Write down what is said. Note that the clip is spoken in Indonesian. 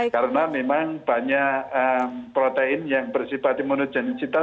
karena memang banyak protein yang bersifat imunogenis kita